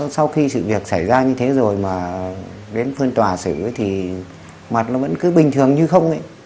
sau khi sự việc xảy ra như thế rồi mà đến phiên tòa xử thì mặt nó vẫn cứ bình thường như không